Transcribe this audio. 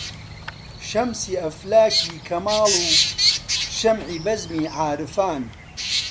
شەمسی ئەفلاکی کەماڵ و شەمعی بەزمی عارفان